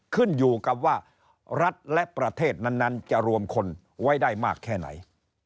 ขึ้นอยู่กับว่ารัฐและประเทศนั้นจะรวมคนไว้ได้มากแค่ไหน